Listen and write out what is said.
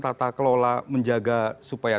tata kelola menjaga supaya